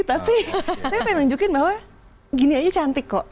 tapi saya pengen nunjukin bahwa gini aja cantik kok